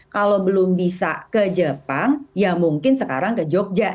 kalau belum bisa ke jepang ya mungkin sekarang ke jogja